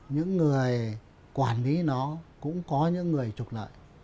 những người quản lý nó cũng có những người trục lợi